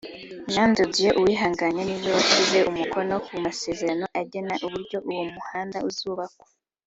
Jean de Dieu Uwihanganye niwe washyize umukono ku masezerano agena uburyo uwo muhanda uzubakwa